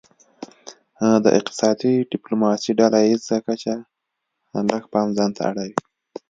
د اقتصادي ډیپلوماسي ډله ایزه کچه لږ پام ځانته اړوي